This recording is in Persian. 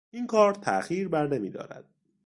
این کار تاخیر بر نمیدارد.